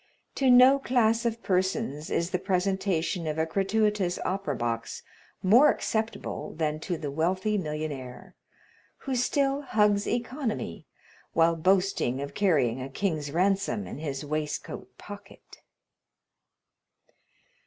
To no class of persons is the presentation of a gratuitous opera box more acceptable than to the wealthy millionaire, who still hugs economy while boasting of carrying a king's ransom in his waistcoat pocket.